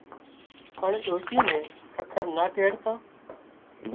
پڻ ڏوشِي نين ککر نا ڪيڙتان